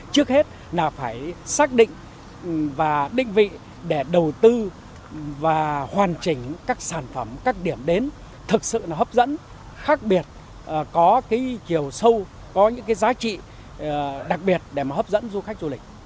trước hết là phải xác định và định vị để đầu tư và hoàn chỉnh các sản phẩm các điểm đến thực sự là hấp dẫn khác biệt có cái chiều sâu có những cái giá trị đặc biệt để mà hấp dẫn du khách du lịch